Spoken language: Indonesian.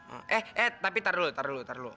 oh eh eh tapi tar dulu tar dulu tar dulu